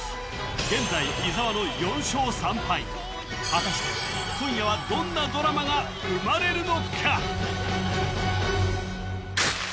現在伊沢の４勝３敗果たして今夜はどんなドラマが生まれるのか？